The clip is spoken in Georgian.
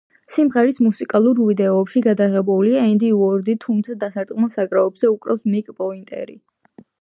სიმღერის მუსიკალურ ვიდეოში გადაღებულია ენდი უორდი, თუმცა დასარტყმელ საკრავებზე უკრავს მიკ პოინტერი.